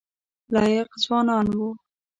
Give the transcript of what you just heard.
لایق ځوانان وو.